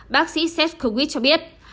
bác sĩ seth kukwit cho biết